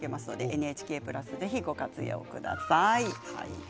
ＮＨＫプラスをご活用ください。